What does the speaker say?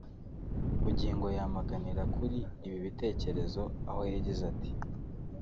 Bugingo yamaganira kuri ibi bitekerezo aho yagize ati